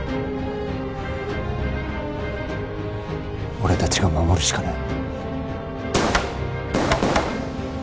俺達が守るしかない